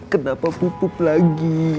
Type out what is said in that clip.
kenapa pupuk lagi